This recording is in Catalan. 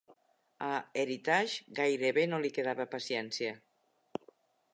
A Heritage gairebé no li quedava paciència.